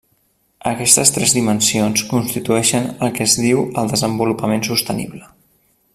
Aquestes tres dimensions constitueixen el que es diu el desenvolupament sostenible.